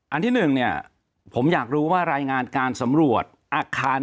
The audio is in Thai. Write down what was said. อันที่๑เนี่ยผมอยากรู้ว่ารายงานการสำรวจอาคาร